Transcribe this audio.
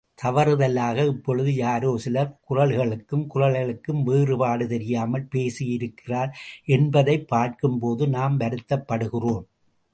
தவறுதலாக இப்பொழுது யாரோ சிலர் குறளுக்கும் குறளைக்கும் வேறுபாடு தெரியாமல் பேசியிருக்கிறார்கள் என்பதைப் பார்க்கும்போது நாம் வருத்தப்படுகிறோம்.